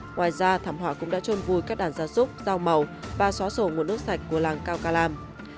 ngoài ra thảm họa cũng đã trôn vui các đàn gia súc rau màu và xóa sổ nguồn nước sạch của làng cao calam